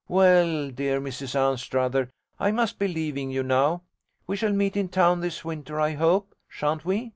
Well, dear Mrs Anstruther, I must be leaving you now. We shall meet in town this winter, I hope, shan't we?'